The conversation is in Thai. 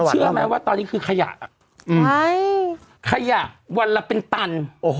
เชื่อไหมว่าตอนนี้คือขยะขยะวันละเป็นตัน